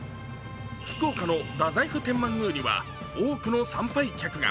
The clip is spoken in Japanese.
福岡の太宰府天満宮には多くの参拝客が。